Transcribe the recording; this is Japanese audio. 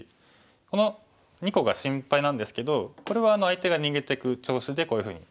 この２個が心配なんですけどこれは相手が逃げていく調子でこういうふうに。